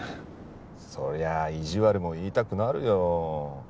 そりゃあ意地悪も言いたくなるよ。